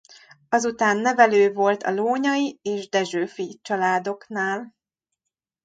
Azután nevelő volt a Lónyay és Dessewffy családoknál.